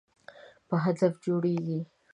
په هدف جوړیږي.